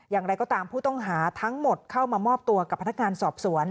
อย่างไรก็ตามผู้ต้องหาทั้งหมดเข้ามามอบตัวกับพนักงานสอบสวน